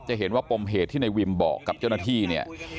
จะเห็นว่าปมเหตุที่ในวิมบอกกับเจ้าหน้าที่เนี่ย